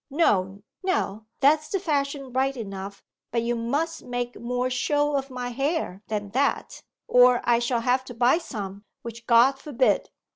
'No, no; that's the fashion right enough, but you must make more show of my hair than that, or I shall have to buy some, which God forbid!